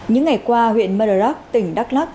những ngày qua huyện madarak tỉnh đắk lắc